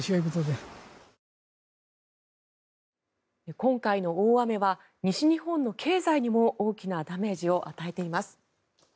今回の大雨は西日本の経済にも大きなダメージを与えています。